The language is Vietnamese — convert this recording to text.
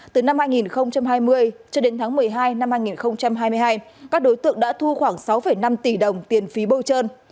từ năm hai nghìn hai mươi cho đến tháng một mươi hai năm hai nghìn hai mươi hai các đối tượng đã thu khoảng sáu năm tỷ đồng tiền phí bâu trơn